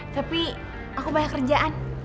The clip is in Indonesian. tapi aku banyak kerjaan